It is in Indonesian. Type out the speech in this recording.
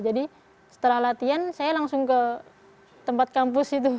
jadi setelah latihan saya langsung ke tempat kampus itu